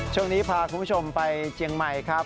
ช่วงนี้พาคุณผู้ชมไปเจียงใหม่ครับ